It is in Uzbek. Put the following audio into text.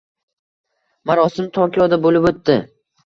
Marosim Tokioda bo'lib o'tdi